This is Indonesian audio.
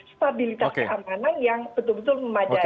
stabilitas keamanan yang betul betul memadai